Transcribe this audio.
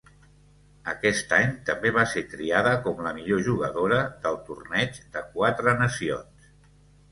Aquest any, també va ser triada com la millor jugadora del Torneig de Quatre Nacions.